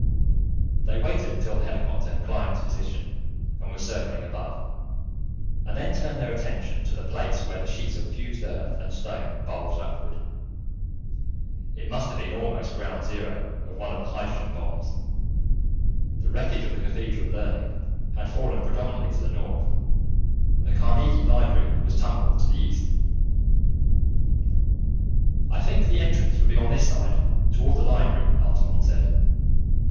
They waited until the helicopter had climbed to position and was circling above, and then turned their attention to the place where the sheet of fused earth and stone bulged upward. It must have been almost ground zero of one of the hydrogen bombs: the wreckage of the Cathedral of Learning had fallen predominantly to the north, and the Carnegie Library was tumbled to the east. "I think the entrance would be on this side, toward the Library," Altamont said.